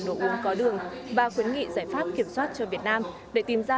đồ uống có đường và khuyến nghị giải pháp kiểm soát cho việt nam để tìm ra